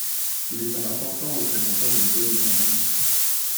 Il est un important représentant de l'école de Mannheim.